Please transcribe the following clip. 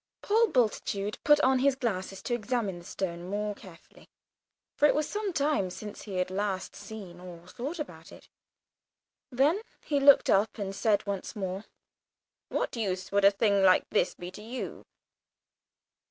Paul Bultitude put on his glasses to examine the stone more carefully, for it was some time since he had last seen or thought about it. Then he looked up and said once more, "What use would a thing like this be to you?"